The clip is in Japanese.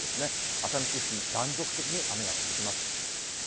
熱海市付近、断続的に雨が続きます。